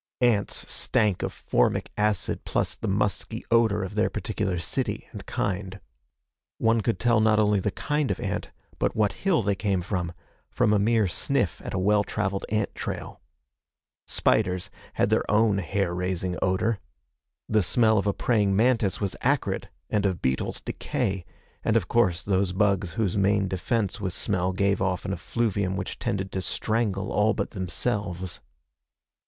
Ants stank of formic acid plus the musky odor of their particular city and kind. One could tell not only the kind of ant but what hill they came from, from a mere sniff at a well traveled ant trail. Spiders had their own hair raising odor. The smell of a praying mantis was acrid, and of beetles decay, and of course those bugs whose main defense was smell gave off an effluvium which tended to strangle all but themselves.